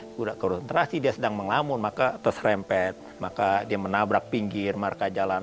sudah konsentrasi dia sedang mengamun maka terserempet maka dia menabrak pinggir marka jalan